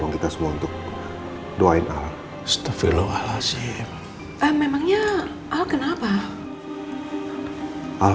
aku tak bisa